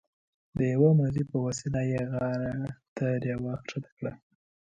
د یوه مزي په وسیله یې غار ته ډیوه ښکته کړه.